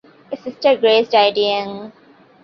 A sister Grace died young.